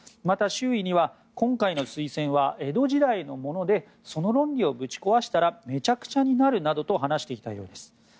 また、周囲には今回の推薦は江戸時代のものでその論理をぶち壊したらめちゃくちゃになるなどと話してきたようです。